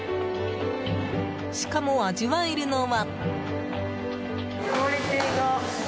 しかも、味わえるのは。